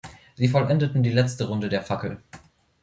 Sie vollendeten die letzte Runde der Fackel.